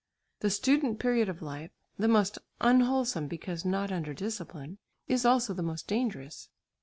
The student period of life, the most unwholesome because not under discipline, is also the most dangerous.